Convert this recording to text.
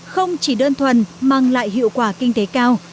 không chỉ đơn thuần mang lại hiệu quả kinh tế cao